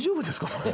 それ。